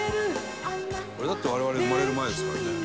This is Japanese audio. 「これだって我々生まれる前ですからね」